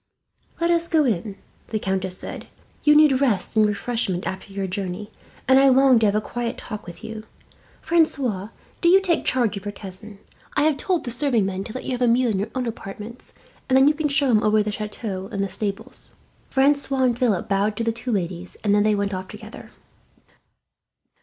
"Let us go in," the countess said. "You need rest and refreshment after your journey, and I long to have a quiet talk with you. "Francois, do you take charge of your cousin. I have told the serving men to let you have a meal in your own apartments, and then you can show him over the chateau and the stables." Francois and Philip bowed to the two ladies, and then went off together.